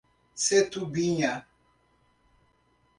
Setubinha